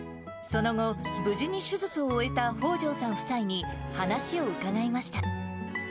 その後、無事に手術を終えた北條さん夫妻に、話を伺いました。